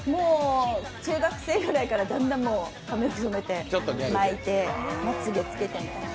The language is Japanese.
中学生ぐらいからだんだん髪の毛染めて、巻いてまつげつけてみたいな。